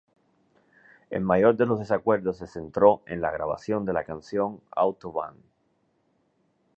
El mayor de los desacuerdos se centró en la grabación de la canción "Autobahn".